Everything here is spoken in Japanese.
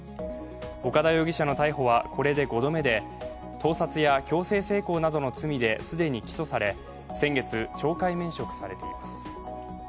岡田容疑者の逮捕はこれで５度目で盗撮や強制性交などの罪で既に起訴され、先月、懲戒免職されています。